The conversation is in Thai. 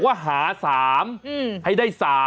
ก็เขาบอกว่าหา๓ให้ได้๓